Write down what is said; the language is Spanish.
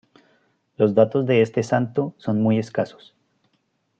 Los datos de este santo son muy escasos.